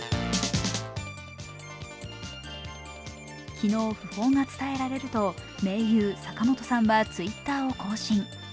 昨日、訃報が伝えられると盟友・坂本さんはＴｗｉｔｔｅｒを更新。